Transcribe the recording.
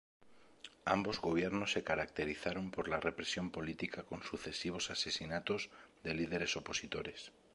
Ambos Gobiernos se caracterizaron por la represión política con sucesivos asesinatos de líderes opositores.